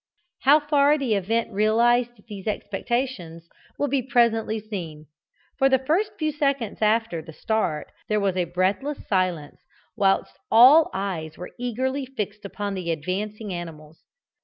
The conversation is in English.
How far the event realised these expectations will be presently seen. For the first few seconds after the start there was a breathless silence, whilst all eyes were eagerly fixed upon the advancing animals.